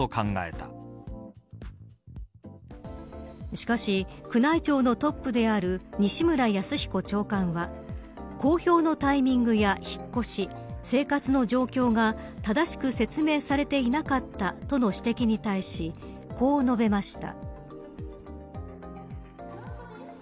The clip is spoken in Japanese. しかし宮内庁のトップである西村泰彦長官は公表のタイミングや引っ越し生活の状況が正しく説明されていなかったとの指摘に対しこう述べました。